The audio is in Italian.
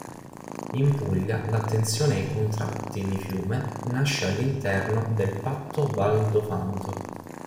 In Puglia l'attenzione ai contratti di fiume nasce all'interno del Patto Val d’Ofanto.